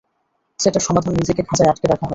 সেটার সমাধান নিজেকে খাচায় আটকে রাখা নয়।